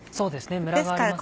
ムラがありますね。